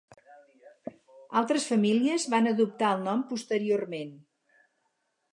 Altres famílies van adoptar el nom posteriorment.